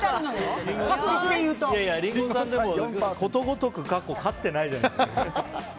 リンゴさんはことごとく過去に勝ってないじゃないですか。